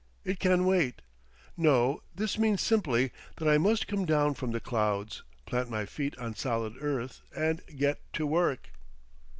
It can wait.... No; this means simply that I must come down from the clouds, plant my feet on solid earth, and get to work."